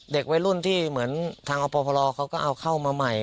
เด็กวัยรุ่นที่เหมือนทางอพรเขาก็เอาเข้ามาใหม่